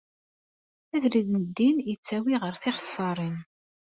Abrid n ddin yettawi ɣer tixeṣṣaṛin.